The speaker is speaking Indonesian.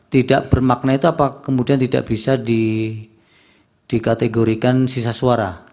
tidak bermakna itu apa kemudian tidak bisa dikategorikan sisa suara